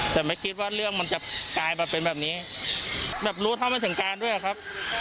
แต่ไม่คิดว่าเรื่องมันจะกลายมาเป็นแบบนี้แบบรู้เท่าไม่ถึงการด้วยอะครับ